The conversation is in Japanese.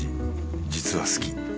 実は好き。